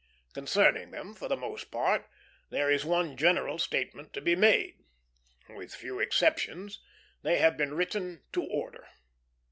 Concerning them, for the most part, there is one general statement to be made. With few exceptions, they have been written to order.